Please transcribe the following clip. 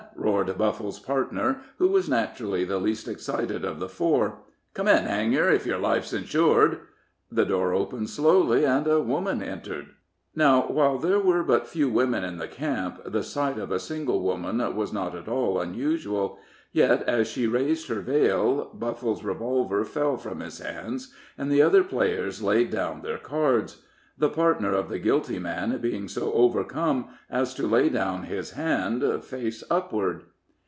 roared Buffle's partner, who was naturally the least excited of the four. "Come in, hang yer, if yer life's insured." The door opened slowly, and a woman entered. Now, while there were but few women in the camp, the sight of a single woman was not at all unusual. Yet, as she raised her vail, Buffle's revolver fell from his hands, and the other players laid down their cards; the partner of the guilty man being so overcome as to lay down his hand face upward.